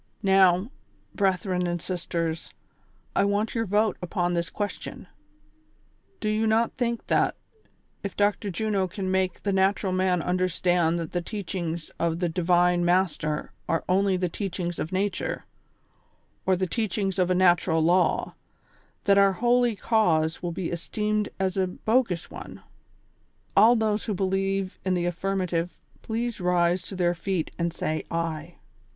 "Xow, brethren and sisters, I want your vote upon tliis question : do you not think tliat, if Dr. Juno can make the natural man understand that the teachings of the Divine Master are only the teachings of nature, or the teachings of a natural law, that our holy cause will be esteemed as a boefus one ? All those who believe in the aflRrmative please rise to their feet and say '